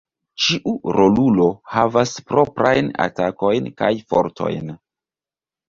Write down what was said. Ĉiu rolulo havas proprajn atakojn kaj fortojn.